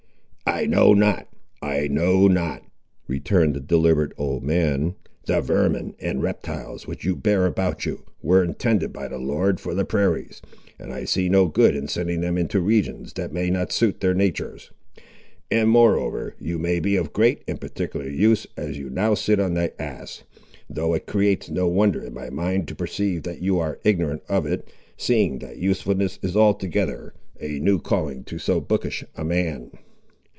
"I know not, I know not," returned the deliberate old man; "the vermin and reptiles, which you bear about you, were intended by the Lord for the prairies, and I see no good in sending them into regions that may not suit their natur's. And, moreover, you may be of great and particular use as you now sit on the ass, though it creates no wonder in my mind to perceive that you are ignorant of it, seeing that usefulness is altogether a new calling to so bookish a man."